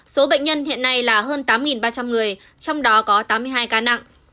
số bệnh nhân hiện nay là hơn tám ba trăm linh người trong đó có tám mươi hai ca nặng